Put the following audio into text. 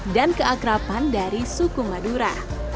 dan keakrapan dari suku madura